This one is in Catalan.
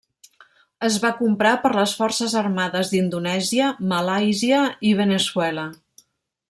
Es va comprar per les forces armades d'Indonèsia, Malàisia i Veneçuela.